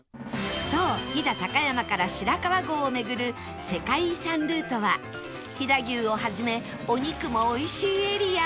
そう飛騨高山から白川郷を巡る世界遺産ルートは飛騨牛をはじめお肉もおいしいエリア